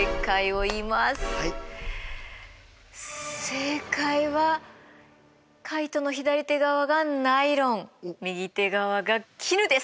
正解はカイトの左手側がナイロン右手側が絹です。